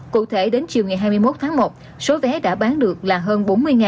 cụ thể đến chiều ngày hai mươi một tháng một số vé đã bán được là hơn bốn mươi